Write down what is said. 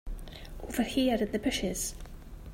Over here in the bushes.